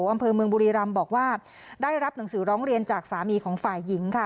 อำเภอเมืองบุรีรำบอกว่าได้รับหนังสือร้องเรียนจากสามีของฝ่ายหญิงค่ะ